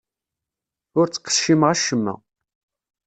Ur ttqeccimeɣ acemma.